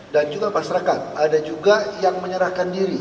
dan juga masyarakat ada juga yang menyerahkan diri